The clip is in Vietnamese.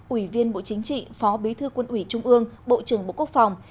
ủy viên bộ chính trị phó bí thư quân ủy trung ương bộ trưởng bộ quốc phòng